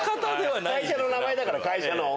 会社の名前だから会社の。